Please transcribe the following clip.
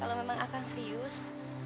baiklah kalau memang akang serius